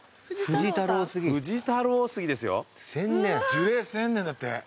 樹齢１，０００年だって。